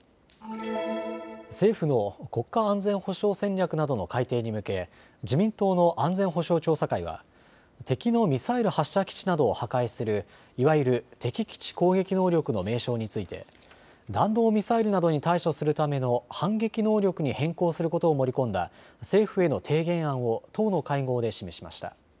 政府の国家安全保障戦略などの改定に向け自民党の安全保障調査会は敵のミサイル発射基地などを破壊するいわゆる敵基地攻撃能力の名称について弾道ミサイルなどに対処するための反撃能力に変更することを盛り込んだ政府への提言案を党の会合で示しました。